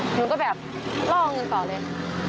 หนูก็แบบล่อเงินต่อเลย